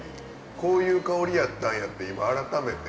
こういう香りやったんやって今改めて。